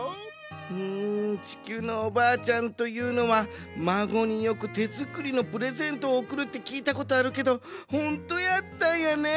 うんちきゅうのおばあちゃんというのはまごによくてづくりのプレゼントをおくるってきいたことあるけどほんとやったんやね。